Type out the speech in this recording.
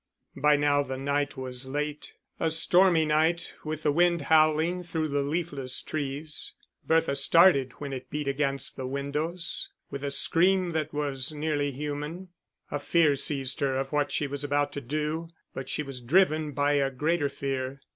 By now the night was late, a stormy night with the wind howling through the leafless trees. Bertha started when it beat against the windows with a scream that was nearly human. A fear seized her of what she was about to do, but she was driven by a greater fear.